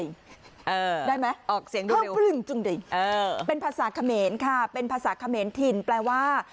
ได้ไหมฮาวปลึงจงดิเป็นภาษาเขมรค่ะเป็นภาษาเขมรถิ่นแปลว่า